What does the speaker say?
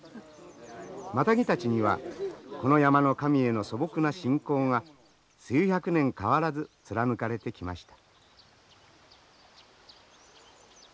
マタギたちにはこの山の神への素朴な信仰が数百年変わらず貫かれてきました。